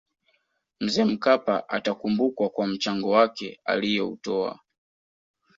mzee mkapa atakumbukwa kwa mchango wake aliyoutoa